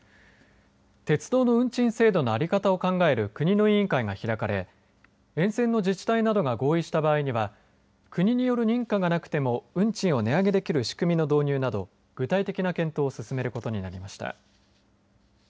鉄道の運賃制度の在り方を考える国の委員会が開かれ沿線の自治体などが合意した場合には国による認可がなくても運賃を値上げできる仕組みの導入など具体的な検討を進めることになりました。